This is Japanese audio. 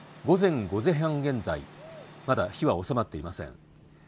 午前５時半現在、まだ火は収まっていません。